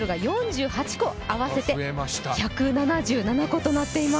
金メダルが４８個、合わせて１７７個となっています。